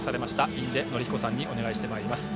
印出順彦さんにお願いしています。